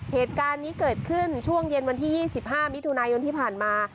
เหตุการณ์นี้เกิดขึ้นช่วงเย็นวันที่๒๕มิถุนายนที่ผ่านมา